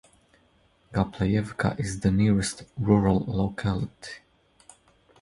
Gapleyevka is the nearest rural locality.